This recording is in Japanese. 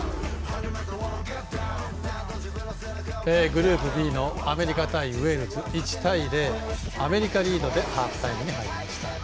グループＢのアメリカ対ウェールズ１対０、アメリカリードでハーフタイムに入りました。